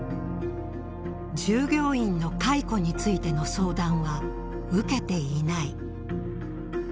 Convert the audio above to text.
従業員の解雇についての相談は受けていない。